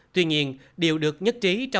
tuy nhiên điều được nhất trí trong thời gian trước